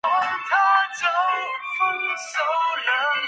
庙内有一尊清治时期的土地婆像。